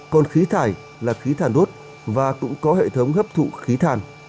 còn khí thải là khí thàn đốt và cũng có hệ thống hấp thụ khí than